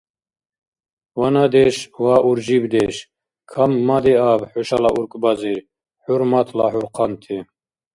Ванадеш ва уржибдеш каммадиаб хӀушала уркӀбазир, хӀурматла хӀурхъанти!